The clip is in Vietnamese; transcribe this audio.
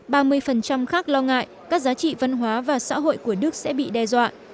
trong năm ngoái ba mươi khác lo ngại các giá trị văn hóa và xã hội của đức sẽ bị đe dọa